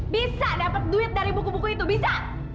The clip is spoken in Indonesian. bisa dapat duit dari buku buku itu bisa